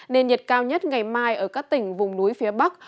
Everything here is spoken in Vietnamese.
nên nhiệt cao nhất ngày mai ở các tỉnh vùng núi phía bắc